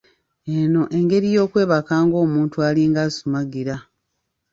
Eno engeri y'okwebaka ng’omuntu alinga asumugira.